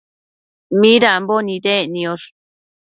midambo nidec niosh ?